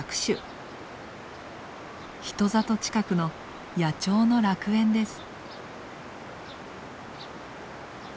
人里近くの野鳥の楽園です。